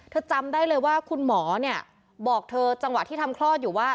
จำได้เลยว่าคุณหมอเนี่ยบอกเธอจังหวะที่ทำคลอดอยู่ว่า